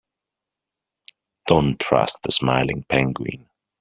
Don't trust the smiling penguin.